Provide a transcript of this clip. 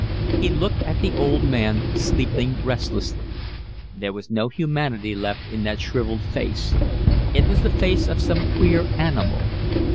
He looked at the old man, sleeping restlessly: there was no humanity left in that shrivelled face; it was the face of some queer animal.